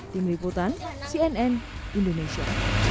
tim liputan cnn indonesia